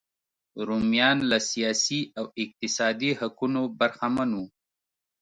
رومیان له سیاسي او اقتصادي حقونو برخمن وو.